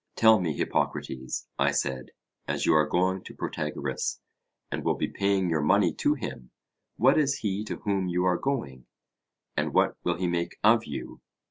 Tell me, Hippocrates, I said, as you are going to Protagoras, and will be paying your money to him, what is he to whom you are going? and what will he make of you?